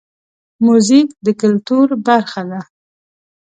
موزیک د کلتور برخه ده.